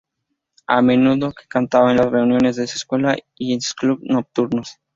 A menudo que cantaba en las reuniones de su escuela y en clubes nocturnos.